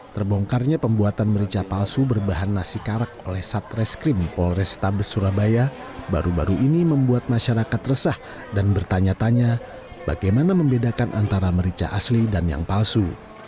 terbongkarnya pembuatan merica palsu berbahan nasi karak oleh satreskrim polrestabes surabaya baru baru ini membuat masyarakat resah dan bertanya tanya bagaimana membedakan antara merica asli dan yang palsu